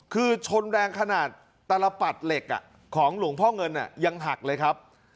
คือชนแรงขนาดตลปัดเหล็กของหลวงพ่อเงินยังหักเลยครับ